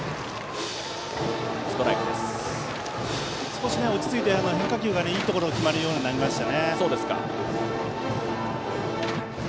少し落ち着いて、変化球がいいところに決まるようになりました。